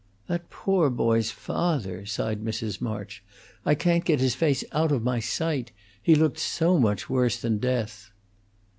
"That poor boy's father!" sighed Mrs. March. "I can't get his face out of my sight. He looked so much worse than death."